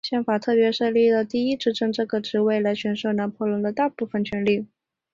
宪法特别设立了第一执政这个职位来授予拿破仑大部分的权力。